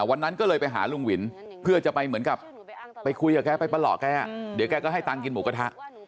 วันนั้นก็เลยไปหาลุงวินเพื่อจะไปเหมือนกับไปคุยกับแกไปประหลอกแกเดี๋ยวแกก็ให้ตังค์กินหมูกระทะ